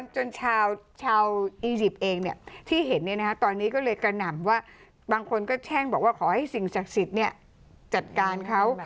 จนชาวอียิปต์เองที่เห็นตอนนี้ก็เลยกระหน่ำว่าบางคนก็แช่งบอกว่าขอให้สิ่งศักดิ์สิทธิ์จัดการเขา